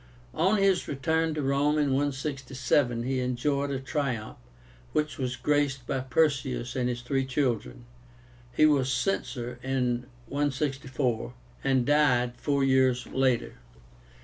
On his return to Rome in 167, he enjoyed a triumph, which was graced by Perseus and his three children. He was Censor in 164, and died four years later.